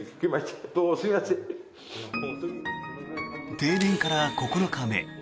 停電から９日目。